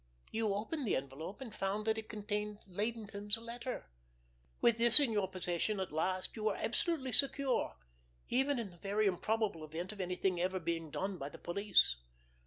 You opened the envelope, and found that it contained Laynton's letter. With this in your possession at last you were absolutely secure, even in the very improbable event of anything ever being done by the police.